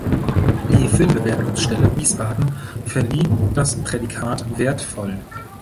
Die Filmbewertungsstelle Wiesbaden verlieh das Prädikat „wertvoll“.